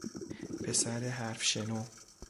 پسر حرف شنو